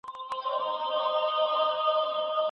ټول انسانان مخاطب دي.